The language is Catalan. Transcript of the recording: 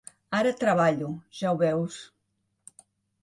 Ara treballo, ja ho veus.